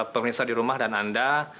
pemirsa di rumah dan anda